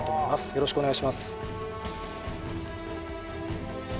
よろしくお願いします